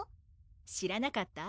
知らなかった？